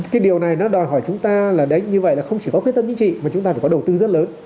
cái điều này nó đòi hỏi chúng ta là đấy như vậy là không chỉ có quyết tâm chính trị mà chúng ta phải có đầu tư rất lớn